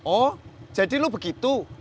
oh jadi lo begitu